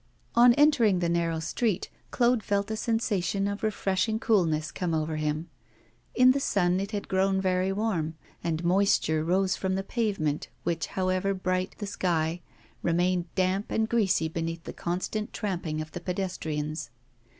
On entering the narrow street, Claude felt a sensation of refreshing coolness come over him. In the sun it had grown very warm, and moisture rose from the pavement, which, however bright the sky, remained damp and greasy beneath the constant tramping of the pedestrians.